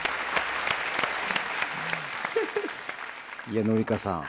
いや紀香さん